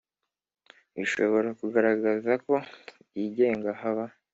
Bishobora Kugaragaza Ko Byigenga Haba